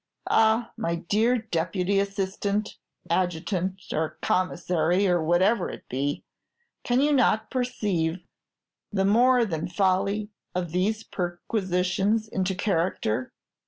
Ah, my dear deputy assistant, adjutant, or commissary, or whatever it be, can you not perceive the more than folly of these perquisitions into character?